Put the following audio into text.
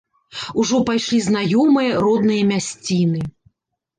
Ужо пайшлі знаёмыя, родныя мясціны.